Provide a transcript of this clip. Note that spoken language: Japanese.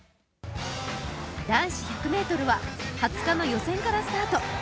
男子１００ｍは２０日の予選からスタート。